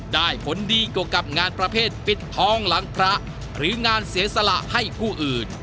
ได้ผลดีกว่ากับงานประเภทปิดทองหลังพระหรืองานเสียสละให้ผู้อื่น